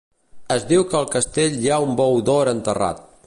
Es diu que al castell hi ha un bou d'or enterrat.